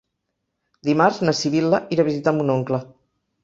Dimarts na Sibil·la irà a visitar mon oncle.